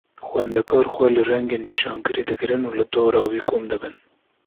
Xwendekar xwe li rengê nîşankirî digirin û li dora wî kom dibin.